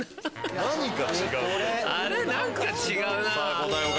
何か違う。